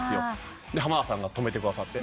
浜田さんが止めてくださって。